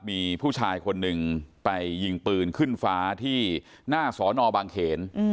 มีผู้ชายคนหนึ่งไปยิงปืนขึ้นฟ้าที่หน้าสอนอบางเขน